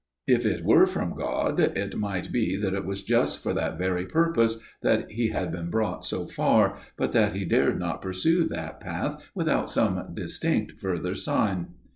If it were from God, it might be that it was just for that very purpose that he had been brought so far, but that he dared not pursue that path without some distinct further sign.